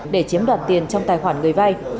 để chiếm đoạt tiền trong tài khoản người vai